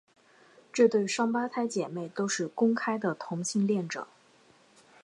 这对双胞胎姐妹都是公开的同性恋者。